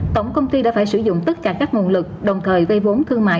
tổng công ty đã phải sử dụng tất cả các nguồn lực đồng thời vây vốn thương mại